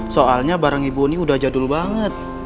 soalnya barang ibu ini udah jadul banget